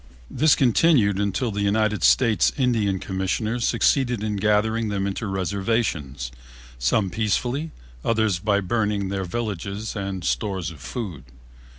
This continued until the United States Indian Commissioners succeeded in gathering them into reservations, some peacefully, others by burning their villages and stores of food.